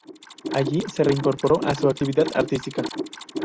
Allí se reincorporó a su actividad artística.